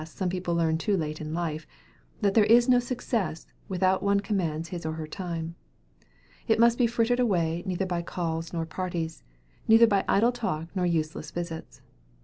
some people learn too late in life that there is no success without one commands his or her time. It must be frittered away neither by calls nor parties; neither by idle talk nor useless visits.